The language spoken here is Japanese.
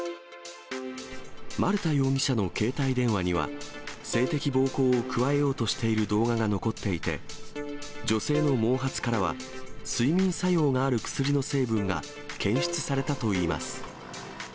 丸田容疑者の携帯電話には、性的暴行を加えようとしている動画が残っていて、女性の毛髪からは、睡眠作用がある薬の成分が検出されたといいます。